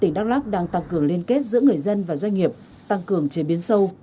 tỉnh đắk lắc đang tăng cường liên kết giữa người dân và doanh nghiệp tăng cường chế biến sâu